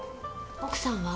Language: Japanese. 奥さんは？